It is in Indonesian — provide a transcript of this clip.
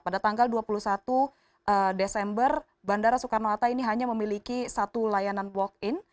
pada tanggal dua puluh satu desember bandara soekarno hatta ini hanya memiliki satu layanan walk in